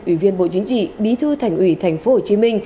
ủy viên bộ chính trị bí thư thành ủy tp hcm